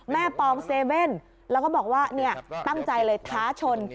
แม่ปอง๗๑๑แล้วก็บอกว่าตั้งใจเลยท้าชน